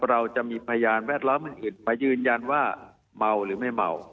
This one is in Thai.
เราจะมีพยานแวดล้อมอื่นมายืนยันว่าเมาหรือไม่เมา